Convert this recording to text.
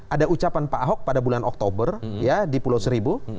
ada ucapan pak ahok pada bulan oktober ya di pulau seribu